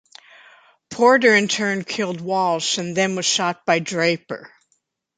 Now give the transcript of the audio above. Porter in turn killed Walsh and was then shot by Draper.